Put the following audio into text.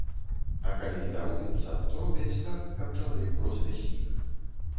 А калі і даруецца, то робяць так, каб чалавек проста знік.